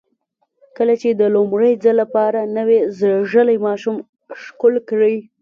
کله چې د لومړي ځل لپاره نوی زېږېدلی ماشوم ښکل کړئ.